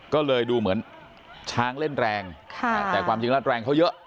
ก็เลยดูเหมือนช้างเล่นแรงแต่ความจริงแล้วแรงเขาเยอะ